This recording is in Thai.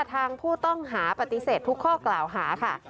ทางผู้ต้องหาปฏิเสธทุกข้อกล่าวหาค่ะ